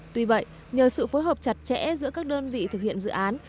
tuy vậy nhờ sự phối hợp chặt chẽ giữa các đơn vị thực hiện dự án